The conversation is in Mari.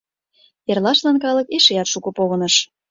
Эрлашын калык эшеат шуко погыныш.